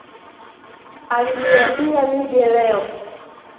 Aliniambia nije leo.